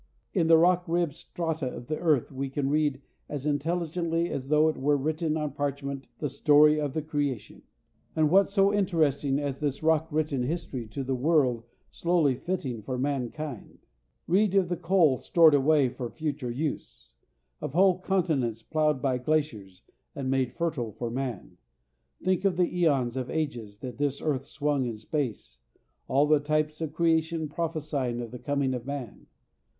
In the rock ribbed strata of the earth we can read as intelligently as though it were written on parchment the story of the creation. And what so interesting as this rock written history of the world slowly fitting for mankind? Read of the coal stored away for future use; of whole continents plowed by glaciers, and made fertile for man. Think of the æons of ages that this earth swung in space, all the types of creation prophecying of the coming of man!